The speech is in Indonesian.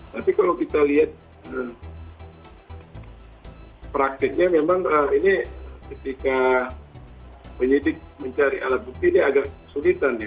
tapi kalau kita lihat praktiknya memang ini ketika penyidik mencari alat bukti ini agak kesulitan ya